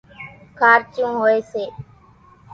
کارچون هوئيَ سي۔